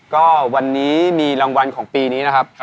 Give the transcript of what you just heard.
ก็วันนี้มีรางวัลของปีนี้นะครับ